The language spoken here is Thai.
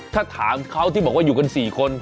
ถ้าถามเขาที่บอกว่าอยู่กัน๔คน